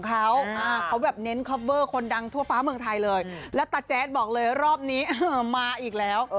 แล้วแต่แจ๊สบอกเลยว่ารอบนี้มาอีกแล้ว